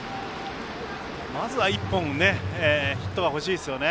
まずは１本ヒットがほしいですよね。